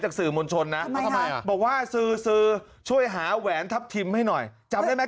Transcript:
สื่อมวลชนนะบอกว่าสื่อช่วยหาแหวนทัพทิมให้หน่อยจำได้ไหม